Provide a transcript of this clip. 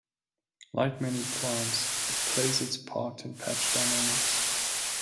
Like many plants, it plays its part in patch dynamics.